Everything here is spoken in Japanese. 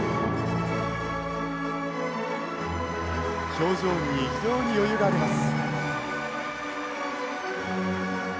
表情に非常に余裕があります。